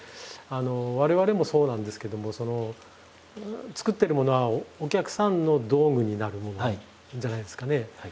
我々もそうなんですけどもそのつくってるものはお客さんの道具になるものじゃないですかね。